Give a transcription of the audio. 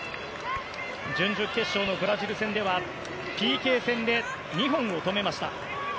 準々決勝のブラジル戦ではＰＫ戦で２本を止めました。